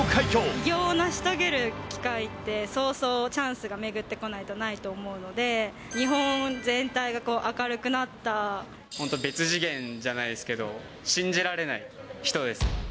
偉業を成し遂げる機会ってそうそうチャンスが巡ってこないとないと思うので、日本全体が明る本当に別次元じゃないですけど、信じられない人です。